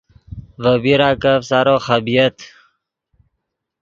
ڤے بیراکف سارو خبۡیت